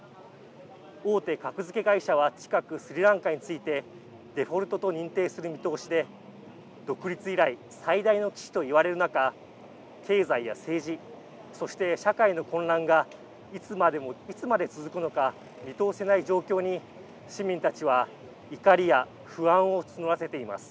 大手格付け会社は近くスリランカについてデフォルトと認定する見通しで独立以来最大の危機と言われる中経済や政治そしてそして社会の混乱がいつまで続くのか見通せない状況に市民たちは怒りや不安を募らせています。